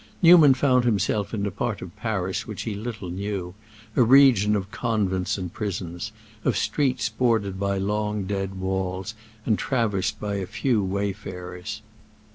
Newman found himself in a part of Paris which he little knew—a region of convents and prisons, of streets bordered by long dead walls and traversed by a few wayfarers.